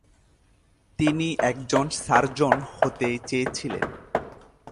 তিনি একজন সার্জন হতে চেয়েছিলেন।